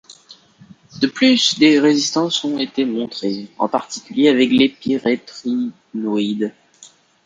De plus des résistances ont été montrées, en particulier avec les pyréthrinoïdes.